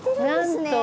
なんと！